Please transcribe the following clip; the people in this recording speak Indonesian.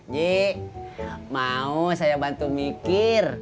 ji mau saya bantu mikir